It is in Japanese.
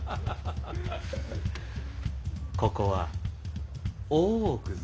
ここは大奥ぞ。